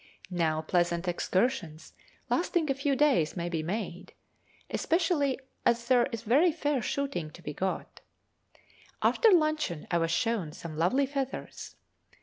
Now pleasant excursions lasting a few days may be made, especially as there is very fair shooting to be got. After luncheon I was shown some lovely feathers.